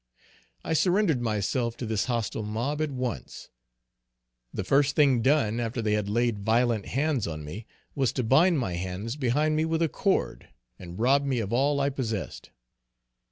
I surrendered myself to this hostile mob at once. The first thing done, after they had laid violent hands on me, was to bind my hands behind me with a cord, and rob me of all I possessed.